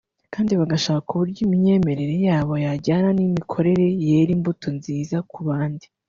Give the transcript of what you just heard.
kandi bagashaka uburyo imyemerere yabo yajyana n’imikorere yera imbuto nziza ku bandi